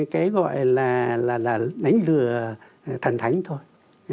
cái gọi là đánh lừa thần thánh thôi